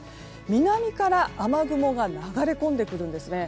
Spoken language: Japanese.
南から雨雲が流れ込んでくるんですね。